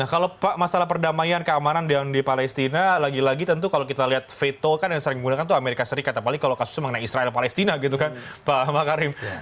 kalau masalah perdamaian keamanan yang di palestina lagi lagi tentu kalau kita lihat veto kan yang sering digunakan itu amerika serikat apalagi kalau kasusnya mengenai israel dan palestina gitu kan pak makarim